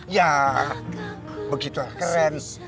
ya begitu keren